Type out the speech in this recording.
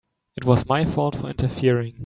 It was my fault for interfering.